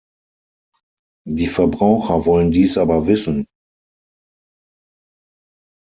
Die Verbraucher wollen dies aber wissen.